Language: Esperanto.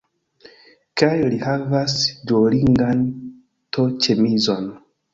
Kaj li havas Duolingan to-ĉemizon